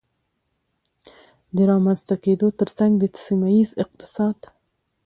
د رامنځته کېدو ترڅنګ د سيمهييز اقتصاد